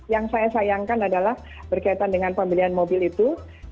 yang saya sayangkan adalah berkaitan dengan pembelian mobil itu